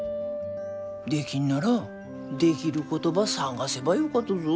できんならできることば探せばよかとぞ。